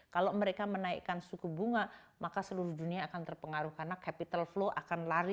kalau mereka menaikkan suku bunga maka seluruh dunia akan terpengaruh karena capital flow akan lari